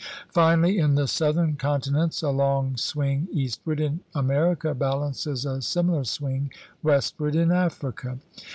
Finally in the southern continents a long swing eastward in America balances a simi lar swing westward in Africa.